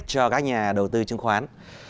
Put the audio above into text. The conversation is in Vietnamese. cho các nhà đầu tư trứng khoán